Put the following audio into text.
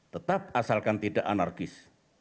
tetap asalkan tidak anarkis